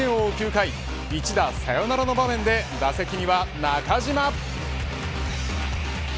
９回一打サヨナラの場面で打席には中島。